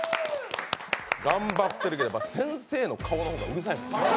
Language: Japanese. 頑張ってるけど先生の顔の方がうるさい。